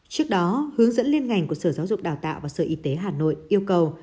trước đó hướng dẫn liên ngành của sở giáo dục đào tạo và sở y tế hà nội yêu cầu